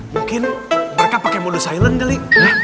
mungkin mereka pakai mode silent dari